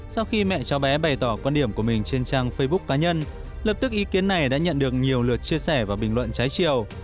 sau khi mẹ cháu bé bày tỏ quan điểm của mình trên trang facebook cá nhân lập tức ý kiến này đã nhận được nhiều lượt chia sẻ và bình luận trái chiều